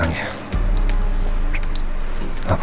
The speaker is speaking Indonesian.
mungkin aku harus tanya ke